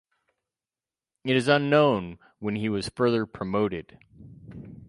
It is unknown when he was further promoted.